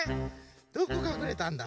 どこかくれたんだ？